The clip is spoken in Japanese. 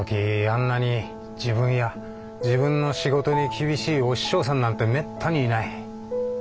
あんなに自分や自分の仕事に厳しいお師匠さんなんてめったにいない。